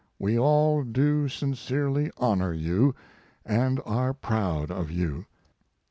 We all do sincerely honor you, and are proud of you.